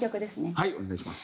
はいお願いします。